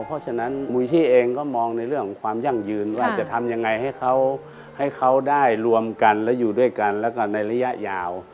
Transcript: เพราะฉะนั้นมูลิชี่เองก็มองในเรื่องของความยั่งยืนว่าจะทำยังไงให้เขาให้เขาได้รวมกันและอยู่ด้วยกันแล้วก็ในระยะยาว